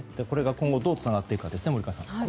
これが今後どうつながっていくかですね。